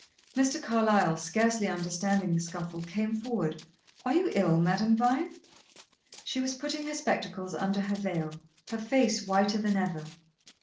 Mr. Carlyle, scarcely understanding the scuffle, came forward. "Are you ill, Madame Vine?" She was putting her spectacles under her veil, her face whiter than ever.